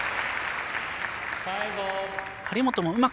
張本もうまく